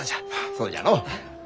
そうじゃのう何で？